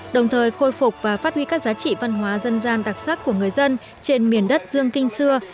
đồng thời khôi phục và phát huy các giá trị văn hóa dân gian đặc sắc của người dân trên miền đất dương kinh xưa